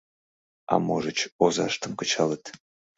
А можыч, озаштым кычалыт.